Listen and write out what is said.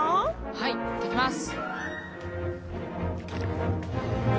はい行ってきます